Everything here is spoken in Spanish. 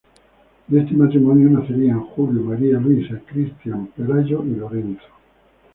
De este matrimonio nacerían Julio, María Luisa, Cristian, Pelayo y Lorenzo.